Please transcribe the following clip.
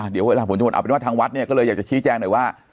เดี๋ยวเวลาผลชนวนเอาเป็นว่าทางวัดเนี่ยก็เลยอยากจะชี้แจงหน่อยว่า